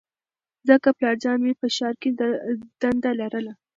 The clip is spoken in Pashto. ځکه پلارجان مې په ښار کې دنده لرله